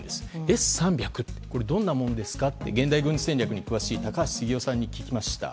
Ｓ３００とはどんなものですかと現代軍事戦略に詳しい高橋杉雄さんに聞きました。